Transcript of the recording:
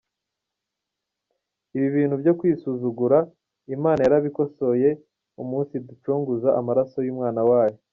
Ibi bintu byo kwisuzugura Imana yarabikosoye umunsi iducunguza amaraso y’umwana wayo.